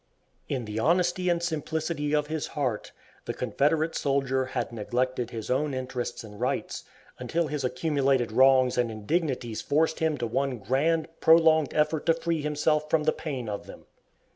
In the honesty and simplicity of his heart, the Confederate soldier had neglected his own interests and rights, until his accumulated wrongs and indignities forced him to one grand, prolonged effort to free himself from the pain of them.